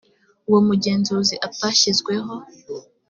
uwo mugenzuzi atashyizweho